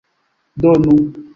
donu